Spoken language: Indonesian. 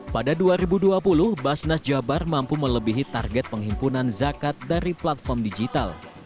pada dua ribu dua puluh basnas jabar mampu melebihi target penghimpunan zakat dari platform digital